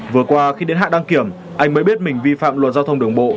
vừa qua khi đến hạn đăng kiểm anh mới biết mình vi phạm luật giao thông đường bộ